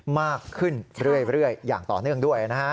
มากขึ้นเรื่อยอย่างต่อเนื่องด้วยนะฮะ